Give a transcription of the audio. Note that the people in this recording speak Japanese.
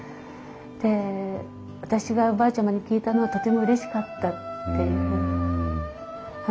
で私がおばあちゃまに聞いたのはとてもうれしかったっていう話を聞いて。